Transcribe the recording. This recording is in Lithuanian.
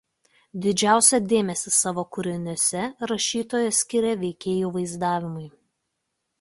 Didžiausią dėmesį savo kūriniuose rašytojas skiria veikėjų vaizdavimui.